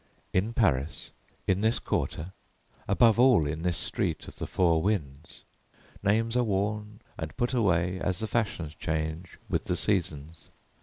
In Paris, in this quarter, above all, in this Street of the Four Winds, names are worn and put away as the fashions change with the seasons.